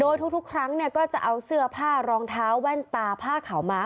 โดยทุกครั้งก็จะเอาเสื้อผ้ารองเท้าแว่นตาผ้าขาวม้า